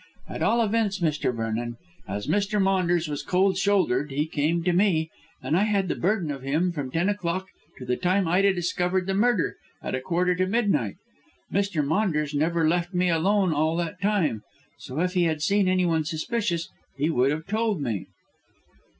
At all events, Mr. Vernon, as Mr. Maunders was cold shouldered he came to me and I had the burden of him from ten o'clock up to the time Ida discovered the murder, at a quarter to midnight. Mr. Maunders never left me alone all that time, so if he had seen anyone suspicious he would have told me."